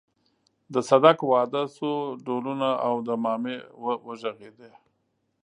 د صدک واده شو ډهلونه او ډمامې وغږېدې.